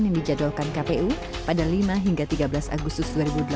yang dijadwalkan kpu pada lima hingga tiga belas agustus dua ribu delapan belas